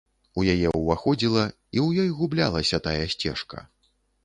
У яе ўваходзіла і ў ёй гублялася тая сцежка.